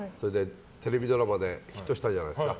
テレビドラマでヒットしたじゃないですか